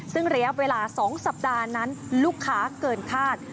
ซึ่งระยะเวลา๒สัปดาห์นั้นลูกค้าเกินคาด